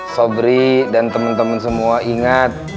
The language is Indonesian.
sobri dan temen temen semua ingat